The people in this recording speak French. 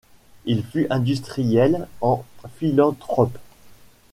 Il fut industriel en philanthrope.